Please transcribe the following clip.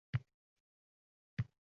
Shoir aytganidek, botirlar o‘lmagan.